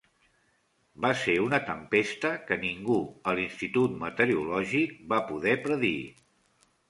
Va ser una tempesta que ningú a l'institut meteorològic va poder predir.